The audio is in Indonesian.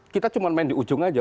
kita cuma main di ujung aja